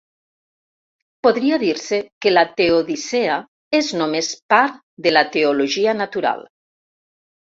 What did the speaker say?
Podria dir-se que la teodicea és només part de la teologia natural.